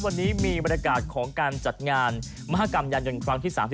วันนี้มีบรรยากาศของการจัดงานมหากรรมยานยนต์ครั้งที่๓๒